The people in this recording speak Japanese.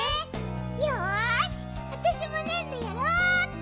よしわたしもねんどやろうっと。